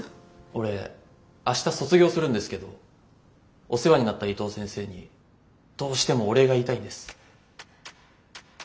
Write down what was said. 俺明日卒業するんですけどお世話になった伊藤先生にどうしてもお礼が言いたいんです。